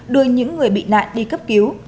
đuôi những người bị nạn đi cấp cứu